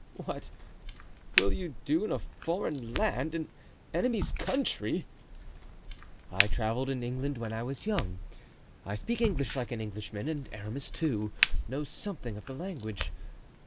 "What will you do in a foreign land, an enemy's country?" "I traveled in England when I was young, I speak English like an Englishman, and Aramis, too, knows something of the language.